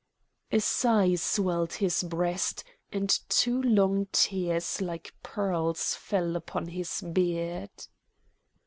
A sigh swelled his breast, and two long tears like pearls fell upon his beard.